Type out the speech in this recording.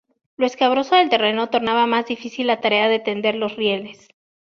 Lo escabroso del terreno tornaba más difícil la tarea de tender los rieles.